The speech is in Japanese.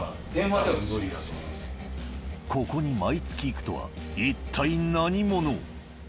ここに毎月行くとは一体何者？